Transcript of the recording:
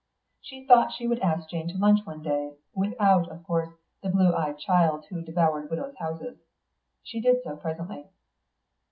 She thought she would ask Jane to lunch one day, without, of course, the blue eyed child who devoured widows' houses. She did so presently.